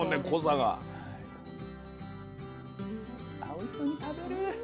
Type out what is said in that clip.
おいしそうに食べる。